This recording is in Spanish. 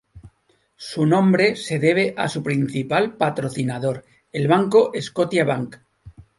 Su nombre se debe a su principal patrocinador, el banco Scotiabank.